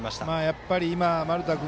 やっぱり丸田君